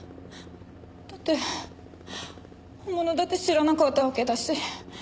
だって本物だって知らなかったわけだし。